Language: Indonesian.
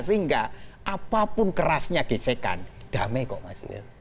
sehingga apapun kerasnya gesekan damai kok mas